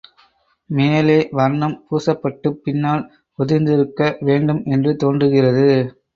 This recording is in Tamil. மேலே வர்ணம் பூசப்பட்டுப் பின்னால் உதிர்ந்திருக்க வேண்டும் என்று தோன்றுகிறது.